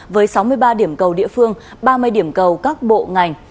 với sáu mươi ba điểm cầu địa phương ba mươi điểm cầu các bộ ngành